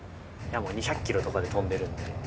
矢も２００キロとかで飛んでるんで。